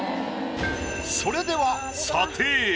それでは査定。